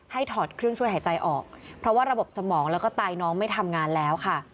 ถอดเครื่องช่วยหายใจออกเพราะว่าระบบสมองแล้วก็ไตน้องไม่ทำงานแล้วค่ะ